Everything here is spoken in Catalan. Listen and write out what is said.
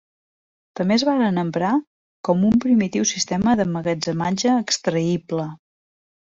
També es varen emprar com un primitiu sistema d'emmagatzematge extraïble.